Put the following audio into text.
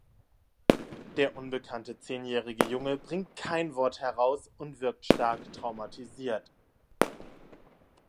Der unbekannte zehnjährige Junge bringt kein Wort heraus und wirkt stark traumatisiert.